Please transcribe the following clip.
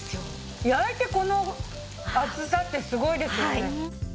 焼いてこの厚さってすごいですよね。